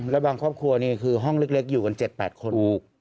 แล้วบางครอบครัวนี่คือห้องเล็กอยู่กัน๗๘คน